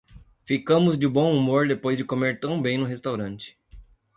Ficamos de bom humor depois de comer tão bem no restaurante!